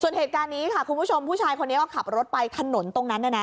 ส่วนเหตุการณ์นี้ค่ะคุณผู้ชมผู้ชายคนนี้ก็ขับรถไปถนนตรงนั้นน่ะนะ